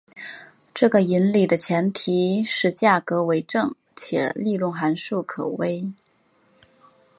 这个引理的前提是价格为正且利润函数可微。